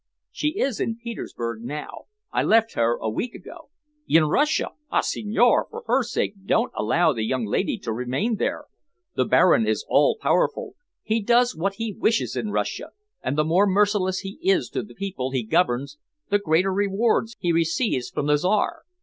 "She is in St. Petersburg now. I left her a week ago." "In Russia! Ah, signore, for her sake, don't allow the young lady to remain there. The Baron is all powerful. He does what he wishes in Russia, and the more merciless he is to the people he governs, the greater rewards he receives from the Czar.